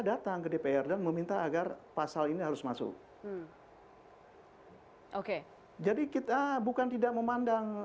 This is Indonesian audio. datang ke dpr dan meminta agar pasal ini harus masuk oke jadi kita bukan tidak memandang